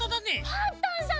パンタンさん